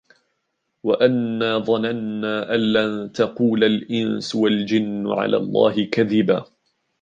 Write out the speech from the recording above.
وأنا ظننا أن لن تقول الإنس والجن على الله كذبا